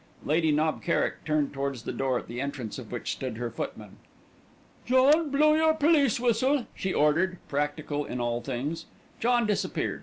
Lady Knob Kerrick turned towards the door at the entrance of which stood her footman. "John, blow your police whistle," she ordered, practical in all things. John disappeared.